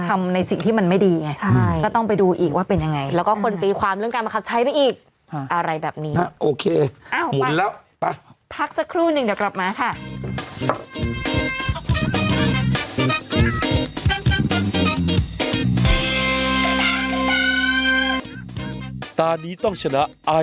ตอนนี้ต้องชนะอายลายเนอร์มิสทีน